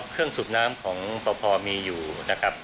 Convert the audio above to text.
เครื่องสูบน้ำของพอมีอยู่นะครับ